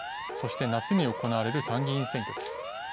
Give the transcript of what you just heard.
そして夏に行われる参議院選挙です。